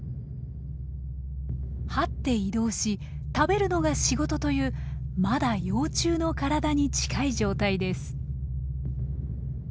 はって移動し食べるのが仕事というまだ幼虫の体に近い状態です。